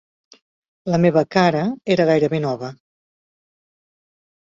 La meva cara era gairebé nova.